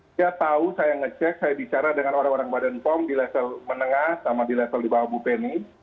saya tahu saya ngecek saya bicara dengan orang orang badan pom di level menengah sama di level di bawah bu penny